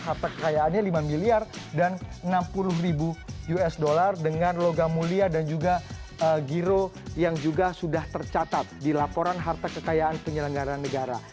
harta kekayaannya lima miliar dan enam puluh ribu usd dengan logam mulia dan juga giro yang juga sudah tercatat di laporan harta kekayaan penyelenggaran negara